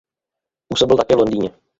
Působil také v Londýně.